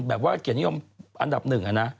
แบบว่าเกียรตินิยมอันดับหนึ่งอะนะ